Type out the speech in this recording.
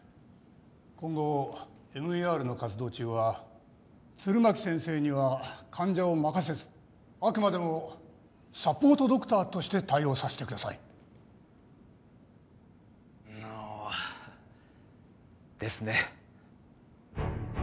今後ＭＥＲの活動中は弦巻先生には患者を任せずあくまでもサポートドクターとして対応させてくださいああですね